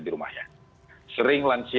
di rumahnya sering lansia